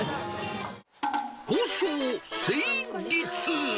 交渉成立。